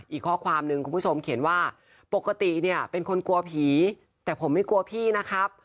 อีกข้อความหนึ่งคุณผู้ชมเขียนว่าปกติเนี่ยเป็นคนกลัวผีแต่ผมไม่กลัวพี่นะครับ